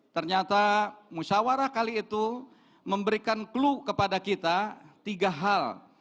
ternyata musyawarah kali itu memberikan clue kepada kita tiga hal